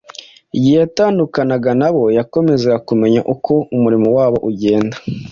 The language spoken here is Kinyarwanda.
Igihe yatandukanaga nabo, yakomezaga kumenya uko umurimo wabo ugenda.